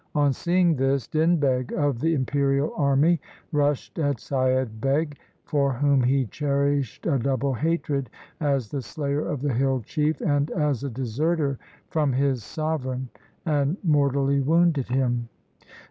On seeing this Din Beg of the imperial army rushed at Saiyad Beg, for whom he cherished a double hatred as the slayer of the hill chief, and as a deserter from his sovereign, and mortally wounded him.